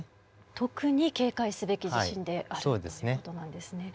特に警戒すべき地震であるという事なんですね。